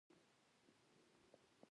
افغانستان په د کلیزو منظره غني دی.